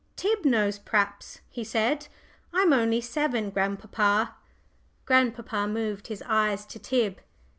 "Tib knows, p'r'aps," he said. "I'm only seven, grandpapa." Grandpapa moved his eyes to Tib.